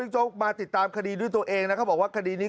โจ๊กมาติดตามคดีด้วยตัวเองนะเขาบอกว่าคดีนี้